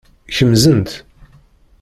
Kemzent.